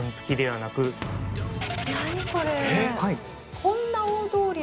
こんな大通りの」